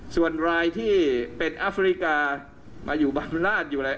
ส่วนรายที่เป็นอัฟริกามาอยู่บังราชอยู่อะไร